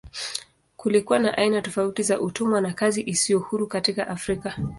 Kulikuwa na aina tofauti za utumwa na kazi isiyo huru katika Afrika.